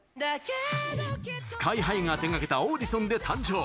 ＳＫＹ‐ＨＩが手がけたオーディションで誕生。